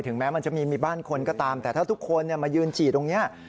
แม้มันจะมีบ้านคนก็ตามแต่ถ้าทุกคนมายืนฉีดตรงนี้